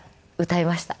歌えました。